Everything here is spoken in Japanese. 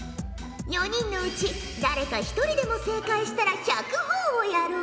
４人のうち誰か一人でも正解したら１００ほぉをやろう。